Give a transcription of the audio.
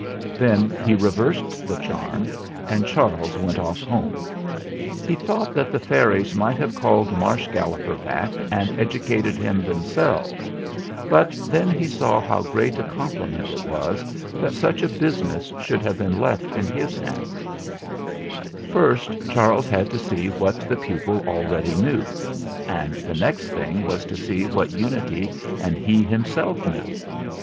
Then he reversed the charm, and Charles went off home. He thought that the fairies might have called Marsh Galloper back and educated him themselves; but then he saw how great a compliment it was that such a busi ness should have been left in his hands. THE GALLOPER'S SCHOOLING 223 First Charles had to see what the pupil al ready knew; and the next thing was to see what Unity and he himself knew.